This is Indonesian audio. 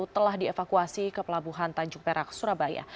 telah dievakuasi ke pelabuhan tanjung perak surabaya